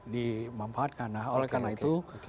dimanfaatkan nah oleh karena itu